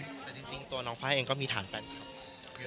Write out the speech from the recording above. แต่จริงตัวน้องไฟล์เองก็มีฐานแฟนเค้าเยอะมาก